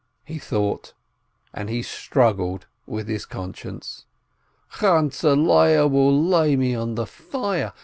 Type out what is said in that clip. he thought, as he struggled with his conscience. "Chantzeh Leah will lay me on the fire